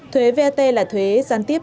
thuế vat là thuế gián tiếp